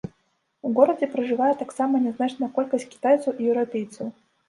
У горадзе пражывае таксама нязначная колькасць кітайцаў і еўрапейцаў.